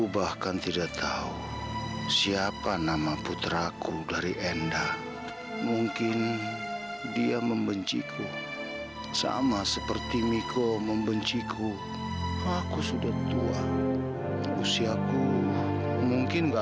sampai jumpa di video selanjutnya